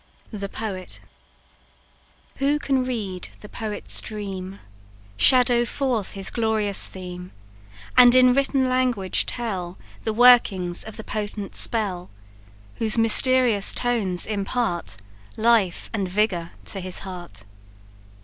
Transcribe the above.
The Poet. "Who can read the Poet's dream, Shadow forth his glorious theme, And in written language tell The workings of the potent spell, Whose mysterious tones impart Life and vigour to his heart?